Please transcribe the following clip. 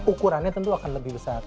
ukurannya tentu akan lebih besar